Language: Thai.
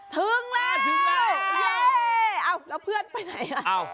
ถึงแล้วเย้อ้าวแล้วเพื่อนไปไหนล่ะ